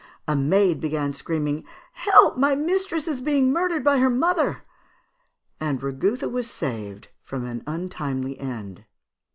A maid began screaming, 'Help! my mistress is being murdered by her mother!' and Rigouthe was saved from an untimely end."